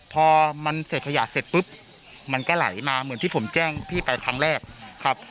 พอมันเสร็จขยะเสร็จปุ๊บมันก็ไหลมาเหมือนที่ผมแจ้งพี่ไปครั้งแรกครับ